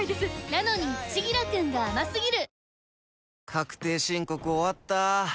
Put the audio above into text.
確定申告終わった。